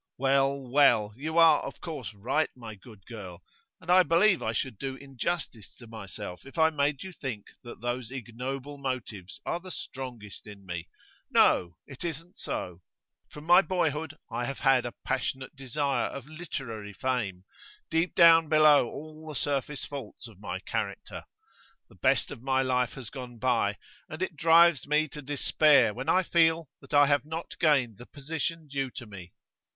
'Well, well; you are of course right, my good girl. And I believe I should do injustice to myself if I made you think that those ignoble motives are the strongest in me. No; it isn't so. From my boyhood I have had a passionate desire of literary fame, deep down below all the surface faults of my character. The best of my life has gone by, and it drives me to despair when I feel that I have not gained the position due to me.